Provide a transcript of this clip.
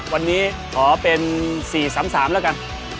วันนี้ขอเป็น๔๓๓แล้วกัน